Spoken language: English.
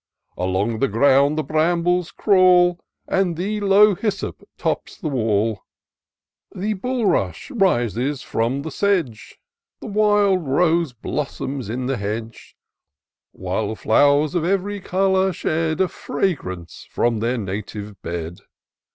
Along the ground the brambles crawl. And the low hyssop tops the wall ; The bulrush rises from the sedge, The wild rose blossoms in the hedge ; While flowers of ev'ry colour shed A fragrance from their native bed.